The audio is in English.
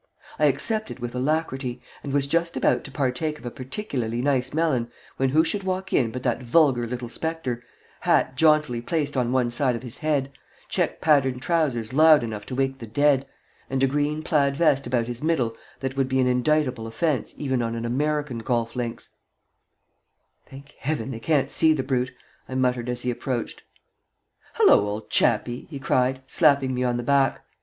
I accepted with alacrity, and was just about to partake of a particularly nice melon when who should walk in but that vulgar little spectre, hat jauntily placed on one side of his head, check patterned trousers loud enough to wake the dead, and a green plaid vest about his middle that would be an indictable offence even on an American golf links. "Thank Heaven they can't see the brute!" I muttered as he approached. "Hullo, old chappie!" he cried, slapping me on my back.